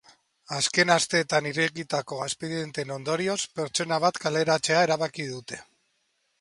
Azken asteetan irekitako espedienteen ondorioz, pertsona bat kaleratzea erabaki dute.